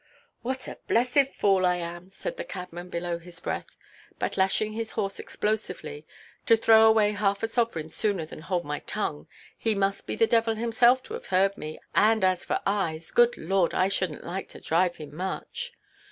"What a blessed fool I am," said the cabman below his breath, but lashing his horse explosively—"to throw away half a sovereign sooner than hold my tongue! He must be the devil himself to have heard me—and as for eyes—good Lord, I shouldnʼt like to drive him much."